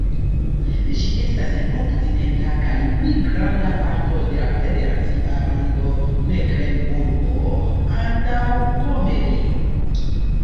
Ĝi estas la okcidenta kaj pli granda parto de la federacia lando Meklenburgo-Antaŭpomerio.